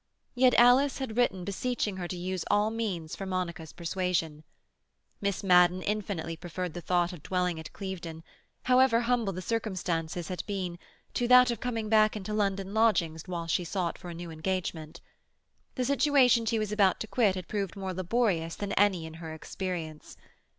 Yet Alice had written beseeching her to use all means for Monica's persuasion. Miss Madden infinitely preferred the thought of dwelling at Clevedon—however humble the circumstances had been—to that of coming back into London lodgings whilst she sought for a new engagement. The situation she was about to quit had proved more laborious than any in her experience.